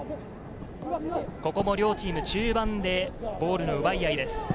ここも両チーム、中盤でボールの奪い合いです。